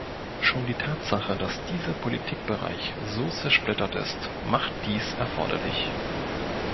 Schon die Tatsache, dass dieser Politikbereich so zersplittert ist, macht dies erforderlich.